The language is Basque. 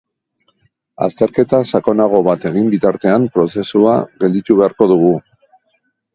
Azterketa sakonago bat egin bitartean prozesua gelditu beharko dugu.